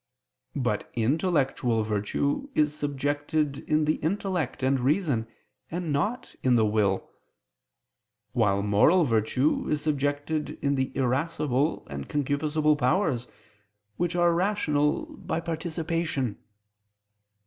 But intellectual virtue is subjected in the intellect and reason, and not in the will: while moral virtue is subjected in the irascible and concupiscible powers which are rational by participation.